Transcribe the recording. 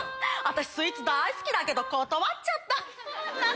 私スイーツ大好きだけど断っちゃった。